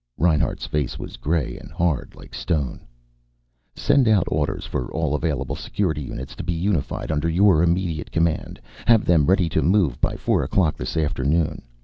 Reinhart's face was gray and hard, like stone. "Send out orders for all available Security units to be unified under your immediate command. Have them ready to move by four o'clock this afternoon.